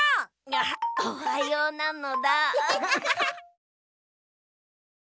アハッおはようなのだ。